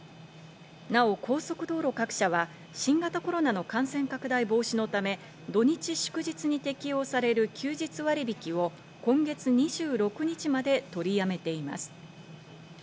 なお高速道路各社は新型コロナの感染拡大防止のため、土日祝日に適用される休日割引を今月２６日まで取りやめています。